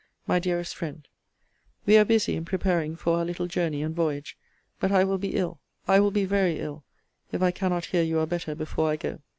MY DEAREST FRIEND, We are busy in preparing for our little journey and voyage: but I will be ill, I will be very ill, if I cannot hear you are better before I go.